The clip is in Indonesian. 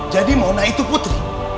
jadi mona itu putri